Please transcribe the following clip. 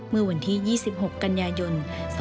เมื่อวันที่๒๖กันยายน๒๕๖๒